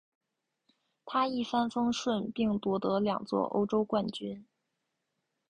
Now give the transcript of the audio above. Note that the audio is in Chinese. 他一帆风顺并夺得两座欧洲冠军。